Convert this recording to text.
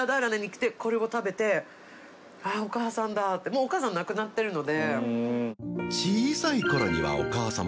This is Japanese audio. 發お母さん亡くなってるので。